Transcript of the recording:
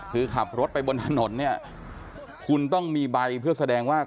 คือขับรถไปบนถนนเนี่ยคุณต้องมีใบเพื่อแสดงว่า